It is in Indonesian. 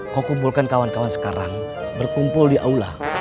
kau kumpulkan kawan kawan sekarang berkumpul di aula